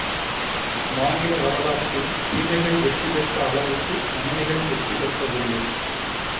மானிட வரலாற்றில் தீமைகள் வெற்றி பெற்ற அளவுக்கு நன்மைகள் வெற்றி பெற்றதில்லை.